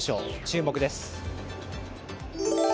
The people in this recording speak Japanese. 注目です。